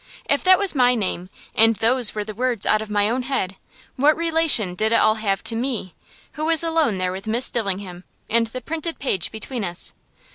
If that was my name, and those were the words out of my own head, what relation did it all have to me, who was alone there with Miss Dillingham, and the printed page between us?